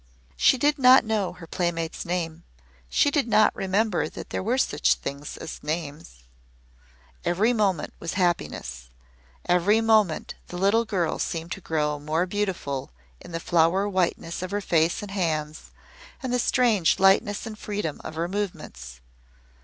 She did not know her playmate's name, she did not remember that there were such things as names. Every moment was happiness. Every moment the little girl seemed to grow more beautiful in the flower whiteness of her face and hands and the strange lightness and freedom of her movements.